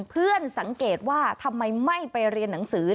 เพื่อนสังเกตว่าทำไมไม่ไปเรียนหนังสือ